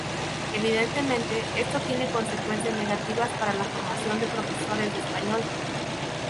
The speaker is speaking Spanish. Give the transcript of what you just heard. Evidentemente, esto tiene consecuencias negativas para la formación de profesores de español.